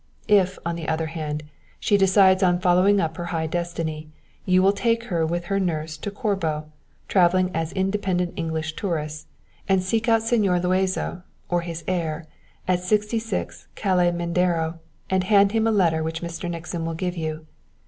If, on the other hand, she decides on following up her high destiny you will take her with her nurse to Corbo, travelling as independent English tourists, and seek out Señor Luazo, or his heir, at_ 66, _Calle Mendaro, and hand him a letter which Mr. Nixon will give you.